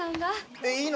えいいの？